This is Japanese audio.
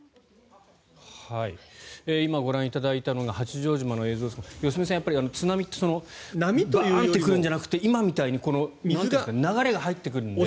今、ご覧いただいたのが八丈島の映像ですが良純さん、津波ってバーンと来るんじゃなくて今みたいに流れが入ってくるんですね。